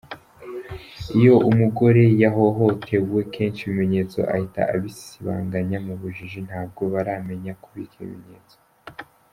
Iyo umugore yahohotewe kenshi ibimenyetso ahita abisibanganya mu bujiji ntabwo baramenya kubika ibimenyetso.